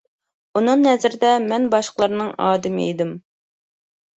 ئۇنىڭ نەزىرىدە مەن باشقىلارنىڭ ئادىمى ئىدىم.